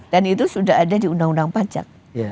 dan itu sudah ada di undang undang pajak